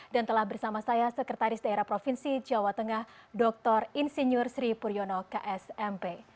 dan telah bersama saya sekretaris daerah provinsi jawa tengah dr insinyur sri puryono ksmp